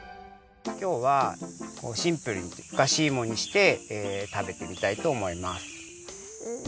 きょうはシンプルにふかしいもにしてたべてみたいとおもいます。